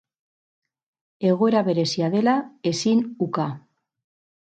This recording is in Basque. Egoera berezia dela ezin uka.